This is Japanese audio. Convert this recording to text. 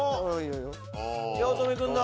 八乙女君だ！